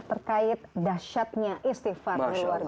terkait dasyatnya istighfar